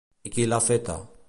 I qui l'ha feta?